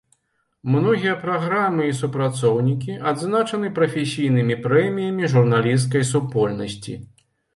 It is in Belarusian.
Многія праграмы і супрацоўнікі адзначаны прафесійнымі прэміямі журналісцкай супольнасці.